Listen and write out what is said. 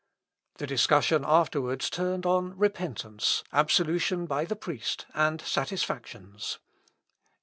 The discussion afterwards turned on repentance, absolution by the priest, and satisfactions.